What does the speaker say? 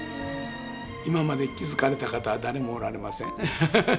今まで気付かれた方は誰もおられません。